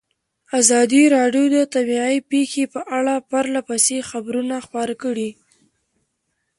ازادي راډیو د طبیعي پېښې په اړه پرله پسې خبرونه خپاره کړي.